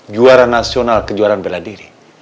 juara nasional kejuaraan bela diri